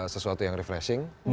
sesuatu yang refreshing